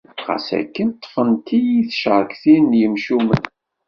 Ɣas akken ṭṭfent-iyi tcerktin n yimcumen.